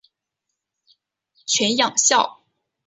犬养孝。